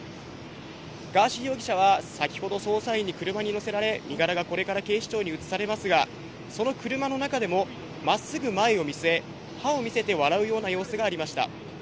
ガーシー容疑者は先ほど、捜査員に車に乗せられ、身柄がこれから警視庁に移されますが、その車の中でも、まっすぐ前を見据え、歯を見せて笑うような様子がありました。